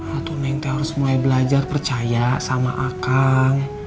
itu neng harus mulai belajar percaya sama akan